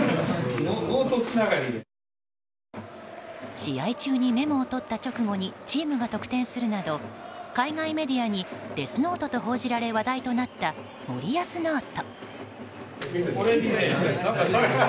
試合中にメモを取った直後にチームが得点するなど海外メディアにデスノートと報じられ話題になった森保ノート。